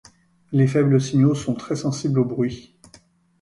Les faibles signaux sont très sensibles au bruit.